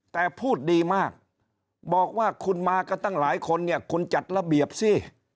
แต่พูดดีมากบอกว่าคุณมากันตั้งหลายคนเนี่ยคุณจัดระเบียบสิ